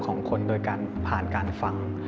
ของคนโดยการผ่านการฟัง